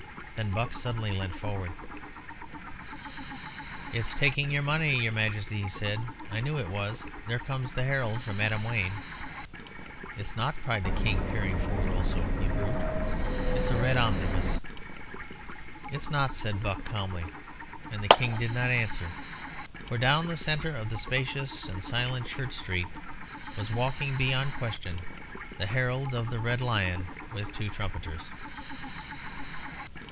Then Buck suddenly leant forward. "It's taking your money, your Majesty," he said. "I knew it was. There comes the herald from Adam Wayne." "It's not," cried the King, peering forward also. "You brute, it's a red omnibus." "It's not," said Buck, calmly; and the King did not answer, for down the centre of the spacious and silent Church Street was walking, beyond question, the herald of the Red Lion, with two trumpeters.